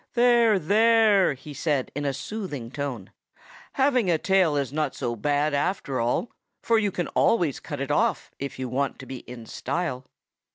"There, there!" he said in a soothing tone. "Having a tail is not so bad, after all; for you can always cut it off, if you want to be in style."